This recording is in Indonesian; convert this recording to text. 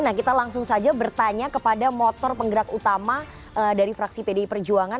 nah kita langsung saja bertanya kepada motor penggerak utama dari fraksi pdi perjuangan